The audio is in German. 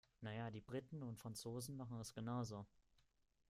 Na ja, die Briten und Franzosen machen es genau so.